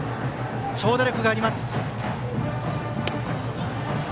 長打力があります。